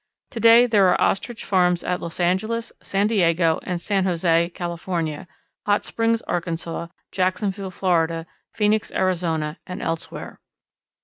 To day there are Ostrich farms at Los Angeles, San Diego, and San José, California; Hot Springs, Arkansas; Jacksonville, Florida; Phoenix, Arizona, and elsewhere.